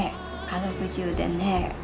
家族中でね。